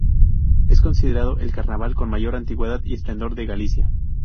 Es considerado el Carnaval con mayor antigüedad y esplendor de Galicia.